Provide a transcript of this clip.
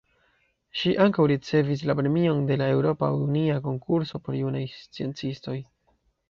Ŝi ankaŭ ricevis la Premion de la Eŭropa Unia Konkurso por Junaj Sciencistoj.